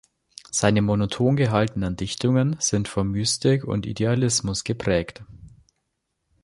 Seine monoton gehaltenen Dichtungen sind von Mystik und Idealismus geprägt.